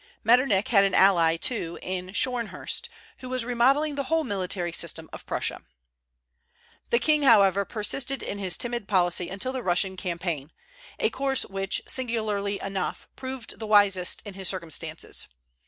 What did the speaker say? Metternich had an ally, too, in Schornhurst, who was remodelling the whole military system of Prussia. The king, however, persisted in his timid policy until the Russian campaign, a course which, singularly enough, proved the wisest in his circumstances.